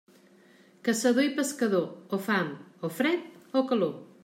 Caçador i pescador, o fam, o fred o calor.